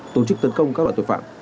tổ chức tấn công các loại tội phạm